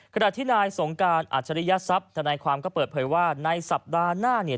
ขณะที่นายสงการอัจฉริยทรัพย์ธนายความก็เปิดเผยว่าในสัปดาห์หน้าเนี่ย